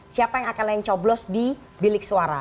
siapa yang akan lain coblos di bilik suara